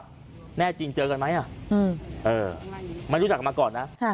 ว่าแน่จริงเจอกันไหมอ่ะอืมเออมันรู้จักมาก่อนน่ะค่ะ